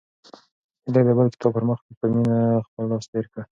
هیلې د بل کتاب پر مخ په مینه خپل لاس تېر کړ.